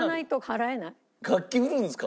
楽器売るんですか？